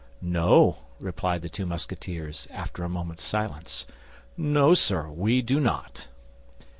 "No," replied the two Musketeers, after a moment's silence, "no, sir, we do not."